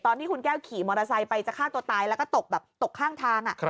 ตอนที่คุณแก้วขี่มอเตอร์ไซค์ไปจะฆ่าตัวตายแล้วก็ตกแบบตกข้างทาง